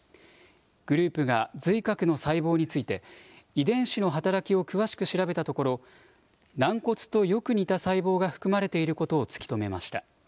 グループが髄核の細胞について遺伝子の働きを詳しく調べたところ軟骨とよく似た細胞が含まれていることを突き止めました。